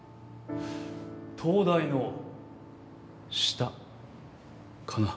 灯台の下かな。